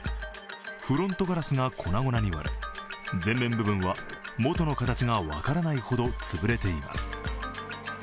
フロントガラスが粉々に割れ前面部分は元の形が分からないほど潰れています。